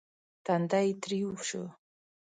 تندی يې تريو شو.